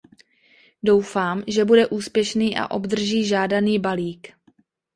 Doufám, že bude úspěšný a obdrží žádaný balík.